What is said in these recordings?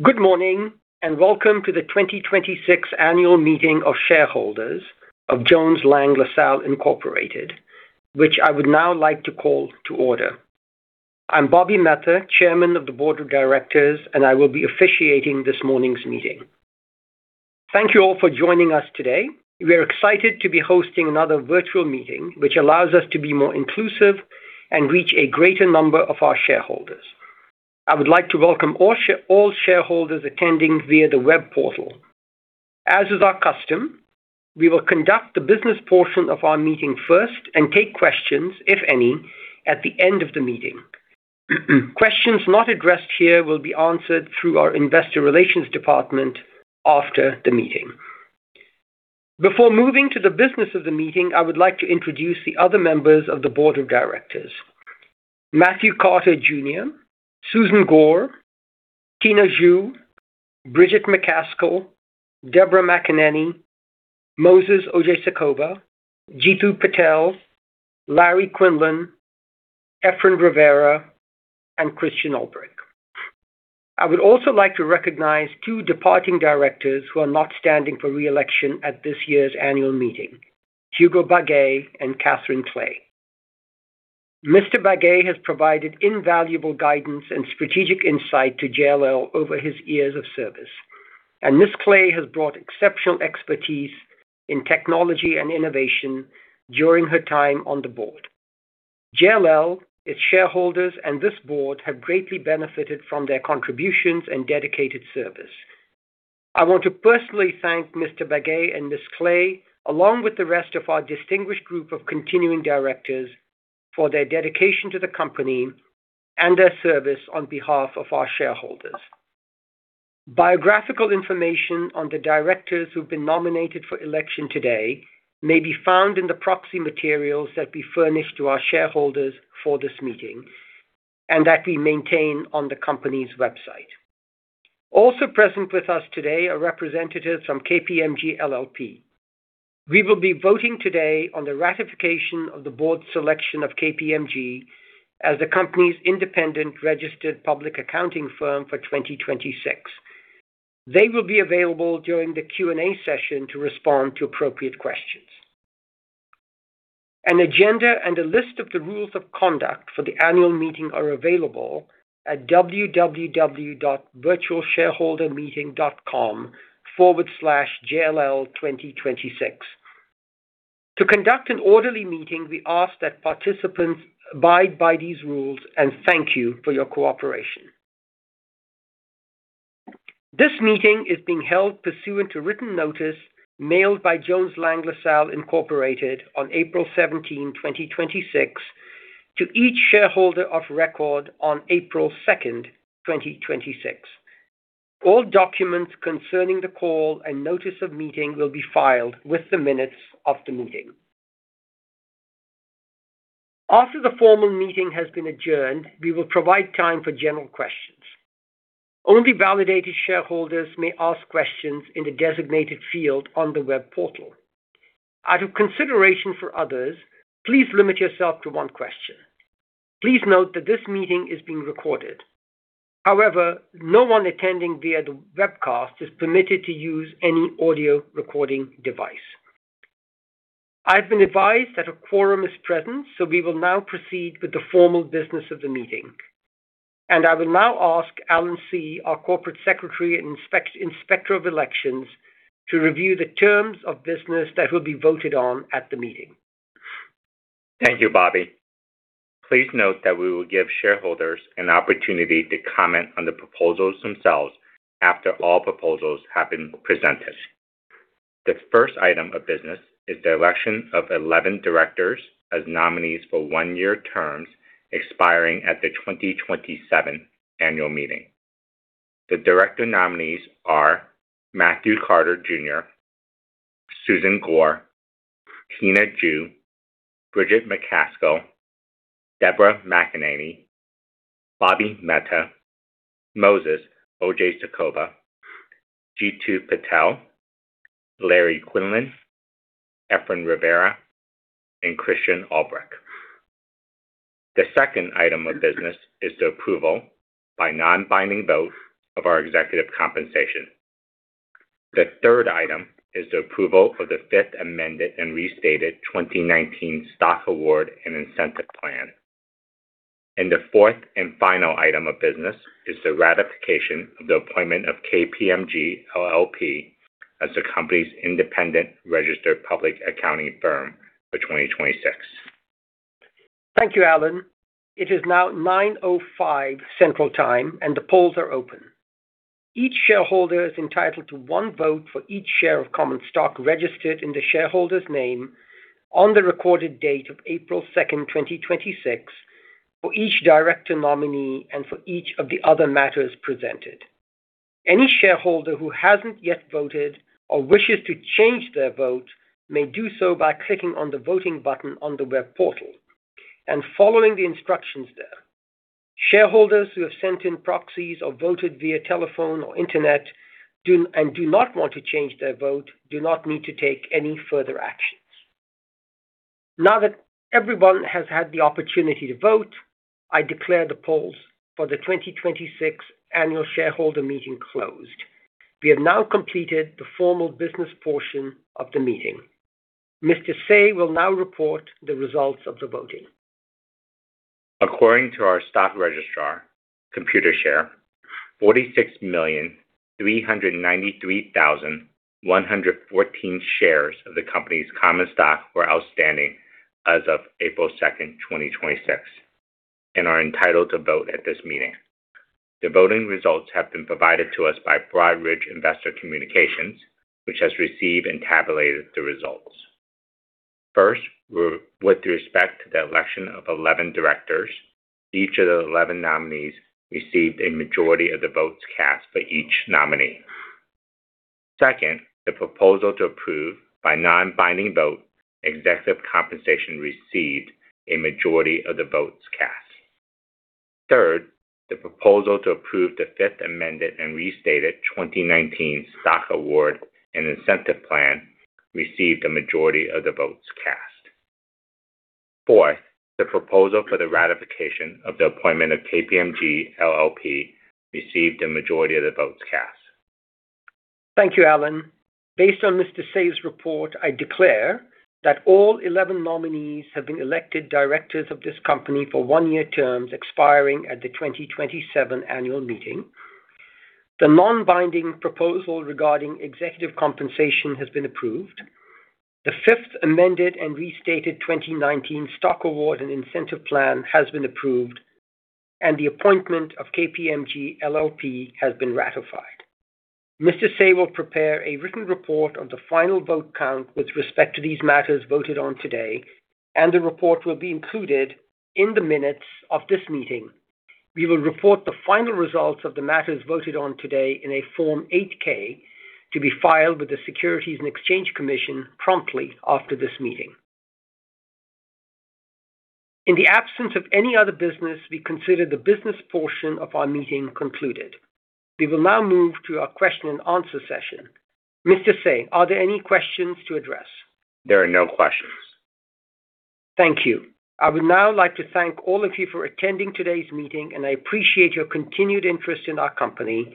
Good morning, welcome to the 2026 Annual Meeting of Shareholders of Jones Lang LaSalle Incorporated, which I would now like to call to order. I'm Bobby Mehta, Chairman of the Board of Directors, and I will be officiating this morning's meeting. Thank you all for joining us today. We are excited to be hosting another virtual meeting, which allows us to be more inclusive and reach a greater number of our shareholders. I would like to welcome all shareholders attending via the web portal. As is our custom, we will conduct the business portion of our meeting first and take questions, if any, at the end of the meeting. Questions not addressed here will be answered through our investor relations department after the meeting. Before moving to the business of the meeting, I would like to introduce the other members of the Board of Directors. Matthew Carter, Jr., Susan Gore, Tina Ju, Bridget Macaskill, Deborah H. McAneny, Moses Ojeisekhoba, Jeetu Patel, Larry Quinlan, Efrain Rivera, and Christian Ulbrich. I would also like to recognize two departing directors who are not standing for re-election at this year's annual meeting, Hugo Bagué and Catherine Clay. Mr. Bagué has provided invaluable guidance and strategic insight to JLL over his years of service, and Ms. Clay has brought exceptional expertise in technology and innovation during her time on the board. JLL, its shareholders, and this board have greatly benefited from their contributions and dedicated service. I want to personally thank Mr. Bagué and Ms. Clay, along with the rest of our distinguished group of continuing directors, for their dedication to the company and their service on behalf of our shareholders. Biographical information on the directors who've been nominated for election today may be found in the proxy materials that we furnish to our shareholders for this meeting, and that we maintain on the company's website. Also present with us today are representatives from KPMG LLP. We will be voting today on the ratification of the board's selection of KPMG as the company's independent registered public accounting firm for 2026. They will be available during the Q&A session to respond to appropriate questions. An agenda and a list of the rules of conduct for the annual meeting are available at www.virtualshareholdermeeting.com/jll2026. To conduct an orderly meeting, we ask that participants abide by these rules and thank you for your cooperation. This meeting is being held pursuant to written notice mailed by Jones Lang LaSalle Incorporated on April 17, 2026, to each shareholder of record on April 2nd, 2026. All documents concerning the call and notice of meeting will be filed with the minutes of the meeting. After the formal meeting has been adjourned, we will provide time for general questions. Only validated shareholders may ask questions in the designated field on the web portal. Out of consideration for others, please limit yourself to one question. Please note that this meeting is being recorded. However, no one attending via the webcast is permitted to use any audio recording device. I've been advised that a quorum is present, we will now proceed with the formal business of the meeting. I will now ask Alan Tse, our Corporate Secretary and Inspector of Elections, to review the terms of business that will be voted on at the meeting. Thank you, Bobby. Please note that we will give shareholders an opportunity to comment on the proposals themselves after all proposals have been presented. The first item of business is the election of 11 directors as nominees for one-year terms expiring at the 2027 annual meeting. The director nominees are Matthew Carter, Jr., Susan Gore, Tina Ju, Bridget Macaskill, Deborah H. McAneny, Bobby Mehta, Moses Ojeisekhoba, Jeetu Patel, Larry Quinlan, Efrain Rivera, and Christian Ulbrich. The second item of business is the approval by non-binding vote of our executive compensation. The third item is the approval of the Fifth Amended and Restated 2019 Stock Award and Incentive Plan. The fourth and final item of business is the ratification of the appointment of KPMG LLP as the company's independent registered public accounting firm for 2026. Thank you, Alan. It is now 9:05 A.M. Central Time, and the polls are open. Each shareholder is entitled to one vote for each share of common stock registered in the shareholder's name on the recorded date of April 2nd, 2026, for each director nominee and for each of the other matters presented. Any shareholder who hasn't yet voted or wishes to change their vote may do so by clicking on the voting button on the web portal and following the instructions there. Shareholders who have sent in proxies or voted via telephone or internet, and do not want to change their vote, do not need to take any further action. Now that everyone has had the opportunity to vote, I declare the polls for the 2026 annual shareholder meeting closed. We have now completed the formal business portion of the meeting. Mr. Tse will now report the results of the voting. According to our stock registrar, Computershare, 46,393,114 shares of the company's common stock were outstanding as of April 2nd, 2026, and are entitled to vote at this meeting. The voting results have been provided to us by Broadridge Investor Communication Solutions, which has received and tabulated the results. First, with respect to the election of 11 directors, each of the 11 nominees received a majority of the votes cast for each nominee. Second, the proposal to approve by non-binding vote executive compensation received a majority of the votes cast. Third, the proposal to approve the Fifth Amended and Restated 2019 Stock Award and Incentive Plan received a majority of the votes cast. Fourth, the proposal for the ratification of the appointment of KPMG LLP received a majority of the votes cast. Thank you, Alan. Based on Mr. Tse's report, I declare that all 11 nominees have been elected directors of this company for one-year terms expiring at the 2027 annual meeting. The non-binding proposal regarding executive compensation has been approved. The Fifth Amended and Restated 2019 Stock Award and Incentive Plan has been approved, and the appointment of KPMG LLP has been ratified. Mr. Tse will prepare a written report on the final vote count with respect to these matters voted on today, and the report will be included in the minutes of this meeting. We will report the final results of the matters voted on today in a Form 8-K to be filed with the Securities and Exchange Commission promptly after this meeting. In the absence of any other business, we consider the business portion of our meeting concluded. We will now move to our question and answer session. Mr. Tse, are there any questions to address? There are no questions. Thank you. I would now like to thank all of you for attending today's meeting, and I appreciate your continued interest in our company.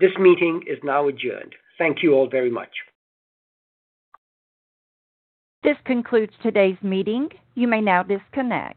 This meeting is now adjourned. Thank you all very much. This concludes today's meeting. You may now disconnect.